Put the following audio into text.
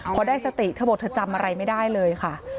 พอได้สติเธอบอกเธอจำอะไรไม่ได้เลยค่ะ